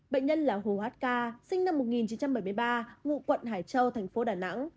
bệnh nhân là hồ hát ca sinh năm một nghìn chín trăm bảy mươi ba ngụ quận hải châu thành phố đà nẵng